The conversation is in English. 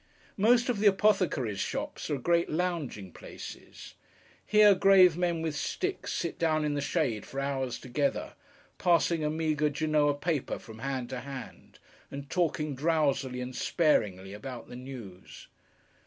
Most of the apothecaries' shops are great lounging places. Here, grave men with sticks, sit down in the shade for hours together, passing a meagre Genoa paper from hand to hand, and talking, drowsily and sparingly, about the News.